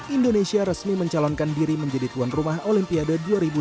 indonesia resmi mencalonkan diri menjadi tuan rumah olimpiade dua ribu dua puluh